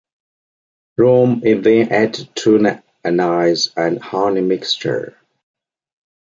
Rum is then added to the anise and honey mixture.